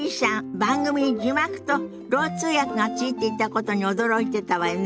番組に字幕とろう通訳がついていたことに驚いてたわよね。